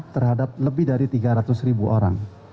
terhadap lebih dari tiga ratus ribu orang